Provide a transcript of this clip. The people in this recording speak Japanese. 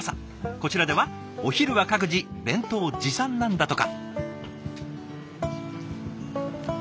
こちらではお昼は各自弁当持参なんだとか。